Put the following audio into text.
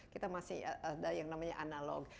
kita masih ada yang namanya analog